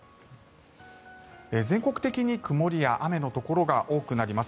全国的に曇りや雨のところが多くなります。